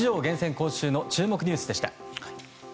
今週の注目ニュースでした。